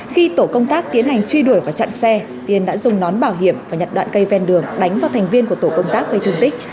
khi tổ công tác tiến hành truy đuổi và chặn xe tiên đã dùng nón bảo hiểm và nhặt đoạn cây ven đường đánh vào thành viên của tổ công tác gây thương tích